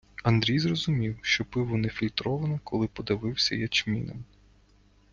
Андрій зрозумів, що пиво нефільтроване, коли подавився ячмінем.